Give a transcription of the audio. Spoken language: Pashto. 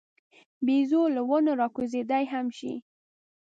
بیزو له ونو راکوزېدای هم شي.